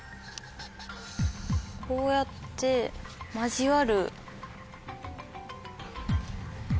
こうやって交わる。